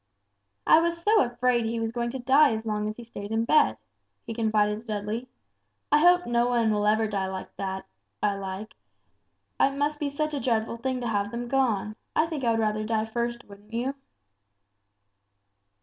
"I was so afraid he was going to die as long as he stayed in bed," he confided to Dudley: "I hope no one will ever die that I like, it must be such a dreadful thing to have them gone. I think I would rather die first, wouldn't you?"